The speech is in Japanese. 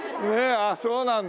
ああそうなんだ。